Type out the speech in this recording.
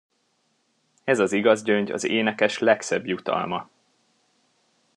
Ez az igazgyöngy az énekes legszebb jutalma.